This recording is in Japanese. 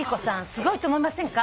すごいと思いませんか？」